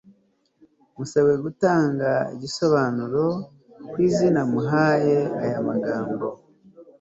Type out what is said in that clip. Musabwe gutanga igisobanuro k izina muhaye aya magambo